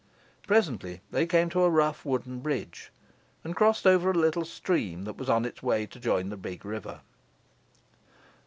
Presently they came to a rough wooden bridge, and crossed over a little stream that was on its way to join the big river.